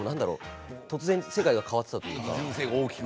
突然世界が変わっているというか。